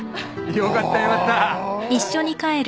よかったよかった。